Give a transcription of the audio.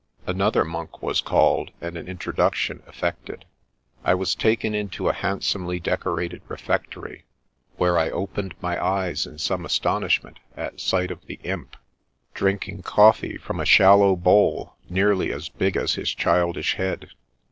Another monk was called, and an introduction effected. I was taken into a handsomely decorated refectory, where I opened my eyes in some astonishment at sight of the Imp, drinking coffee from a shallow bowl nearly as big as his childish head.